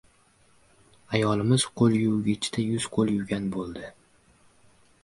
Ayolimiz qo‘lyuvgichda yuz-qo‘l yuvgan bo‘ldi.